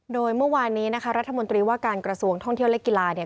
โดยเมื่อวานนี้นะคะรัฐมนตรีว่าการกระทรวงท่องเที่ยวและกีฬาเนี่ย